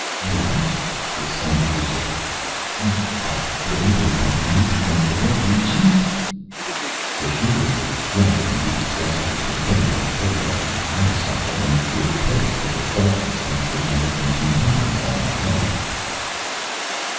"What!" exclaimed Lucifer, "you are willing to accompany me to the infernal regions!" "Assuredly, rather than be accessory to the burning of Plato and Aristotle, and give place to the darkness against which I have been contending all my life."